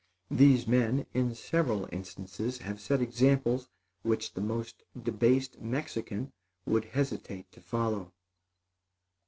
These men, in several instances, have set examples which the most debased Mexican would hesitate to follow.